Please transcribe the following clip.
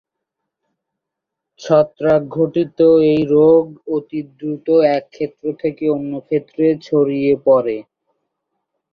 ছত্রাক ঘটিত এই রোগ অতি দ্রুত এক ক্ষেত থেকে অন্য ক্ষেতে ছড়িয়ে পড়ে।